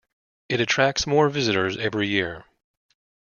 It attracts more visitors every year.